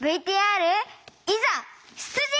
ＶＴＲいざ出陣！